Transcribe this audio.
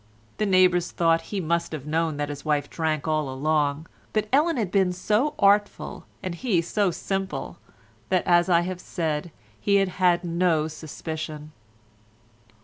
The neighbours thought he must have known that his wife drank all along, but Ellen had been so artful, and he so simple, that, as I have said, he had had no suspicion.